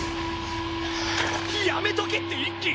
やめとけって一輝！